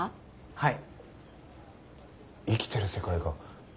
はい。